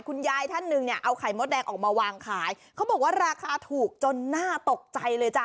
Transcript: คุณยายท่านหนึ่งเนี่ยเอาไข่มดแดงออกมาวางขายเขาบอกว่าราคาถูกจนน่าตกใจเลยจ้ะ